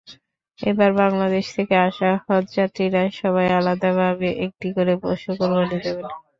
এবার বাংলাদেশ থেকে আসা হজযাত্রীরা সবাই আলাদাভাবে একটি করে পশু কোরবানি দেবেন।